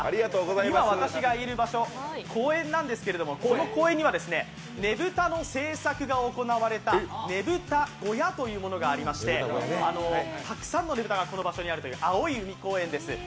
今、私がいる場所、公園なんですけれども、この公園にはねぶたの製作が行われたねぶた小屋というものがありまして、たくさんのねぶたがこの場所にあるという、青い海公園です。